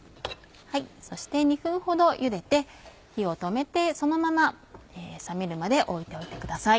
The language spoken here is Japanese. そして２分ほどゆでて火を止めてそのまま冷めるまで置いておいてください。